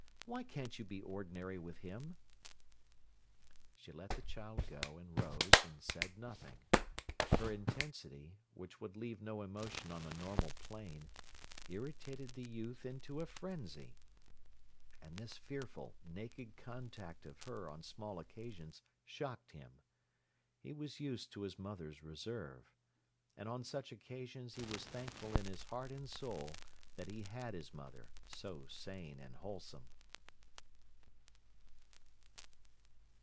"Why can't you be ordinary with him?" She let the child go, and rose, and said nothing. Her intensity, which would leave no emotion on a normal plane, irritated the youth into a frenzy. And this fearful, naked contact of her on small occasions shocked him. He was used to his mother's reserve. And on such occasions he was thankful in his heart and soul that he had his mother, so sane and wholesome.